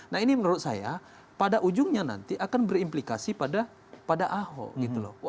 nah ini menurut saya pada ujungnya nanti akan berimplikasi pada ahok gitu loh